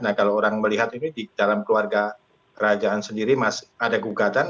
nah kalau orang melihat ini di dalam keluarga kerajaan sendiri masih ada gugatan